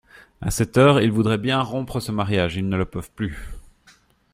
A cette heure, ils voudraient bien rompre ce mariage, ils ne le peuvent plus.